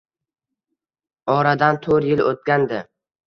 Oradan to'r? yil o'tgandi